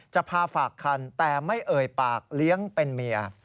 จะพาฝากคันแต่ไม่เอ่ยปากเลี้ยงเป็นเมีย